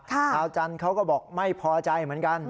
ชาวจันทร์เขาก็บอกไม่พอใจเหมือนกัน